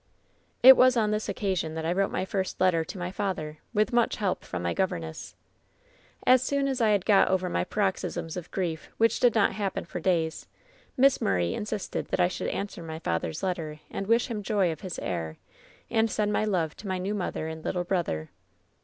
"It was on this occasion that I wrote my first letter to my father, with much help from my governess. "As soon as I had got over my paroxysms of grief, which did not happen for days. Miss Murray insisted that I should answer my father's letter and wish him joy of his heir, and send my love to my new mother and little brother.